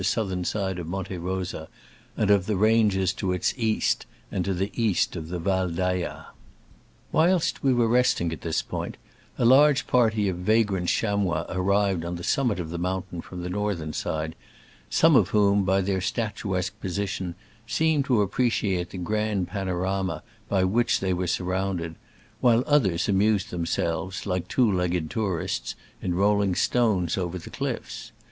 67 southern side of Monte Rosa, and of the ranges to its east and to the east of the Val d'Ayas. Whilst we were resting at this point a large party of vagrant chamois arrived on the summit of the mountain from the northern side, some of whom, by their statuesque position, seemed to ap preciate the grand panorama by which they were surrounded, while others amused themselves, like two legged tourists, in rolling stones over the cliflfs.